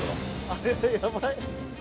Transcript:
あれやばい。